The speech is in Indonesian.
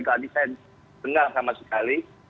tadi saya dengar sama sekali